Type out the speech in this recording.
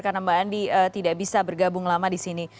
karena mbak andi tidak bisa bergabung lama di sini